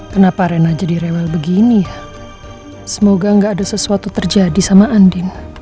kenapa rena jadi rewel begini semoga gak ada sesuatu terjadi sama andin